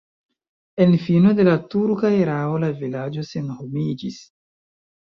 En fino de la turka erao la vilaĝo senhomiĝis.